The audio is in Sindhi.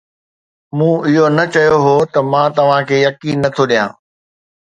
مون اهو نه چيو هو ته مان توهان کي يقين نه ٿو ڏيان